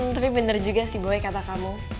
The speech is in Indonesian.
tapi bener juga sih boy kata kamu